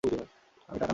আমি টাকা নিয়েছি!